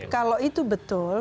kalau itu betul